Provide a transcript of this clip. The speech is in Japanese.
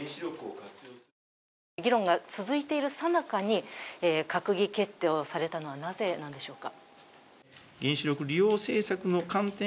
議論が続いているさなかに閣議決定をされたのはなぜなんでしょうか？